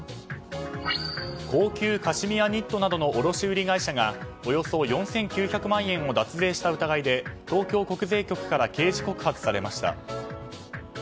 高級カシミヤニットなどの卸売会社がおよそ４９００万円を脱税した疑いで東京国税局から刑事告発されました。